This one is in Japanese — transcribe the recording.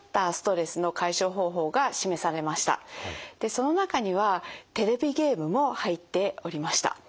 その中にはテレビゲームも入っておりました。